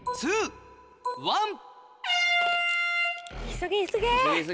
急げ急げ！